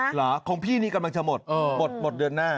เหรอของพี่นี่กำลังจะหมดหมดเดือนหน้า